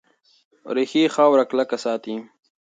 ریښې خاوره کلکه ساتي.